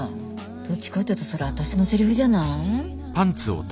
どっちかっていうとそれ私のセリフじゃない？